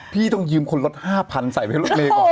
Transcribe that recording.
พี่ต้องยืมคนรถ๕๐๐๐บาทใส่ไว้รถเมฆก่อน